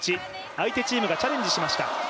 相手チーム、チャレンジしました。